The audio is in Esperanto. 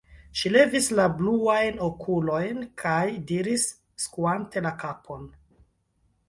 Ŝi levis la bluajn okulojn kaj diris, skuante la kapon: